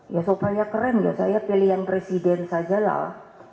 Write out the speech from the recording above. ya supaya keren saya pilih yang presiden sajalah